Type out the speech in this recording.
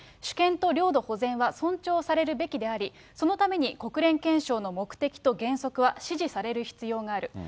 主権と領土保全は尊重されるべきであり、そのために国連憲章の目的と原則は支持される必要がある。